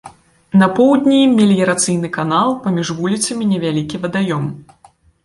На поўдні меліярацыйны канал, паміж вуліцамі невялікі вадаём.